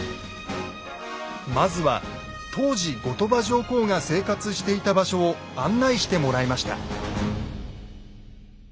まずは当時後鳥羽上皇が生活していた場所を案内してもらいました。